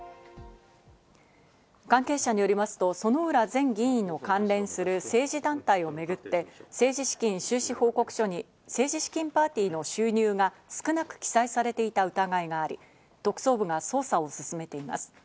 関係者によりますと、薗浦前議員の関連する政治団体をめぐって、政治資金収支報告書に政治資金パーティーの収入が少なく記載されていた疑いがあり、特捜部が捜査を進めています。